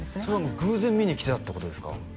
それは偶然見に来てたってことですか？